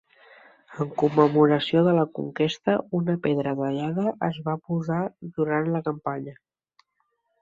En commemoració de la conquesta, una pedra tallada es va posar durant la campanya.